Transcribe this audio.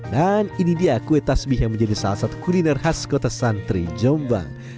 dan ini dia kue tasbih yang menjadi salah satu kuliner khas kota santri jombang